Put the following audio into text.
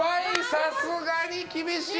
さすがに厳しい。